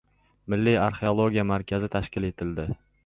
Milliy arxeologiya markazi tashkil etildi